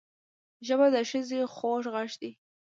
ژبه د ښځې خوږ غږ دی